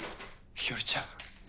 日和ちゃん！